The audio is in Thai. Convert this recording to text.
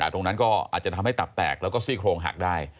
ตรงนั้นก็อาจจะทำให้ตับแตกแล้วก็ซี่โครงหักได้